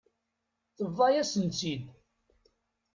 Tebḍa-yasent-tt-id.